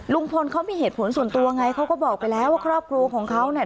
ลุงพลเขามีเหตุผลส่วนตัวไงเขาก็บอกไปแล้วว่าครอบครัวของเขาเนี่ย